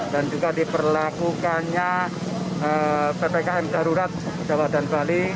dan juga diperlakukannya ppkm darurat jawa dan bali